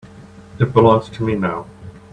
It belongs to me now.